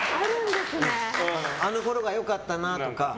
あのころが良かったなとか。